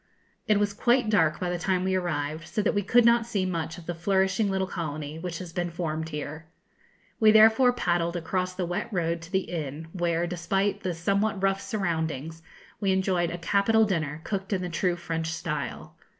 It was quite dark by the time we arrived, so that we could not see much of the flourishing little colony which has been formed here. We therefore paddled across the wet road to the inn, where, despite the somewhat rough surroundings, we enjoyed a capital dinner, cooked in the true French style.